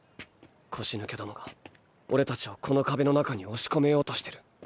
腰抜けどもがオレたちをこの壁の中に押し込めようとしてる。